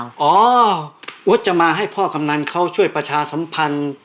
อ๋อว่าจะมาให้พ่อกำนันเขาช่วยประชาสัมพันธ์